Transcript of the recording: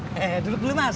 hehehe duduk dulu mas